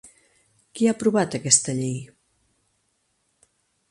Qui ha aprovat aquesta llei?